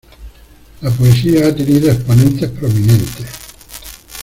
La poesía ha tenido exponentes prominentes.